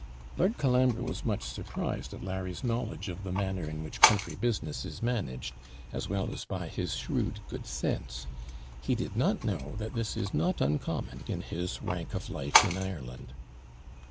Lord Colambre was much surprised at Larry's knowledge of the manner in which county business is managed, as well as by his shrewd good sense: he did not know that this is not uncommon in his rank of life in Ireland.